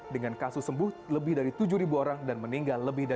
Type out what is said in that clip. dengan kasus sembuh lebih dari tujuh ribu orang